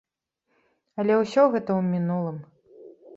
Але ўсё гэта ў мінулым.